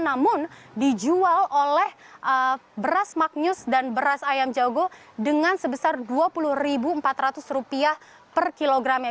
namun dijual oleh beras magnus dan beras ayam jago dengan sebesar rp dua puluh empat ratus per kilogramnya